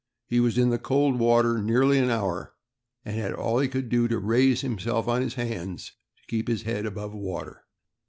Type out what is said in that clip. He was in the cold water nearly an hour, and had all he could do to raise himself on his hands to keep his head above water.